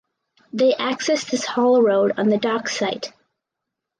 They access this haul road on the Docks site.